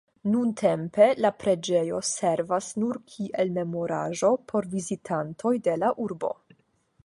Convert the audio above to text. Nuntempe la preĝejo servas nur kiel memoraĵo por vizitantoj de la urbo.